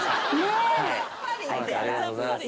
ありがとうございます。